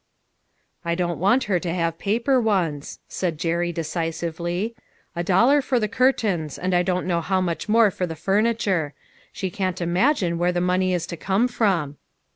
"I don't want her to have paper ones," said Jerry decisively. " A dollar for the curtains, and I don't know how much more for the furni ture. She can't imagine where the money is to come from."